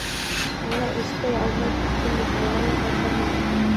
Малай эштәй алмай киттем бит, моғайын ҡайтырмын.